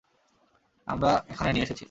আমরা এখানে নিয়ে এসেছি।